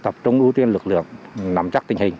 tập trung ưu tiên lực lượng nắm chắc tình hình